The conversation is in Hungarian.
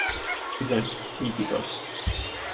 Bizony, így igaz!